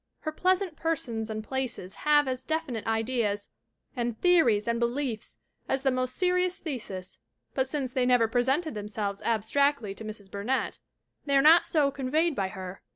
Her pleasant persons and places have as defi nite ideas and theories and beliefs as the most serious thesis but since they never presented themselves ab stractly to Mrs. Burnett they are not so conveyed by her.